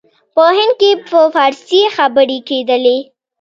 په هند کې په فارسي خبري کېدلې.